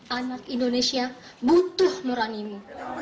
kami anak indonesia butuh muranimu